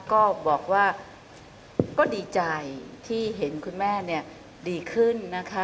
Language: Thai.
ก็บอกว่าก็ดีใจที่เห็นคุณแม่ดีขึ้นนะคะ